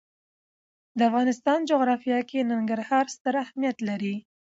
د افغانستان جغرافیه کې ننګرهار ستر اهمیت لري.